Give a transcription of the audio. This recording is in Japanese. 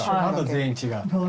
あと全員違う。